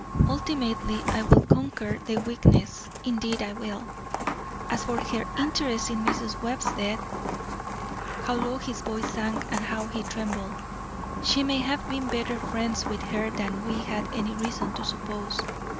Ultimately I will conquer the weakness; indeed I will. As for her interest in Mrs. Webb's death" how low his voice sank and how he trembled!" she may have been better friends with her than we had any reason to suppose.